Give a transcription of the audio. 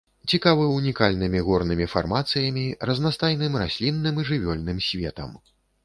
Цікавы унікальнымі горнымі фармацыямі, разнастайным раслінным і жывёльным светам.